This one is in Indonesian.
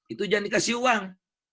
itu jangan dikasih uang